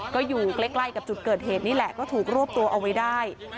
ก็อยู่ใกล้กับจุดเกิดเหตุนี่แหละก็ถูกรวบตัวเอาไว้ได้